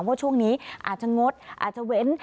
ว่าช่วงนี้อาจจะงดอาจจะเว้น